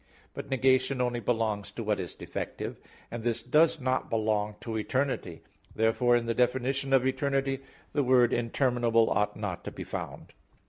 But negation only belongs to what is defective, and this does not belong to eternity. Therefore in the definition of eternity the word "interminable" ought not to be found.